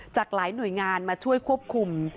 จากหลายหน่วยงานมาช่วยควบคุม